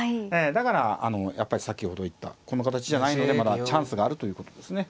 だからやっぱり先ほど言ったこの形じゃないのでまだチャンスがあるということですね